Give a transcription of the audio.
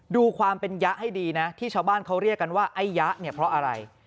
ดูความเป็นยะให้ดีนะที่ชาวบ้านเขาเรียกกันว่าไอ้ยะเนี่ยเพราะอะไร